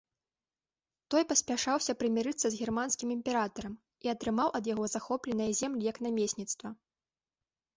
Той паспяшаўся прымірыцца з германскім імператарам і атрымаў ад яго захопленыя землі як намесніцтва.